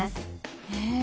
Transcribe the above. へえ。